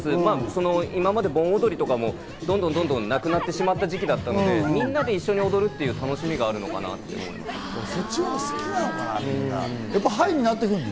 盆踊りとかも、どんどんなくなってしまった時期だったので、みんなで一緒に踊るっていう楽しみがあるのかなって思うんです。